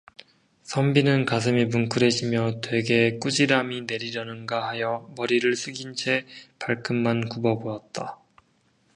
선비는 가슴이 뭉클해지며 되게 꾸지람이 내리려는가 하여 머리를 숙인 채 발끝만 굽어보았다.